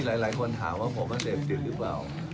ก็มีหลายคนถามว่าผมเศรษฐกรรมหรือเปล่า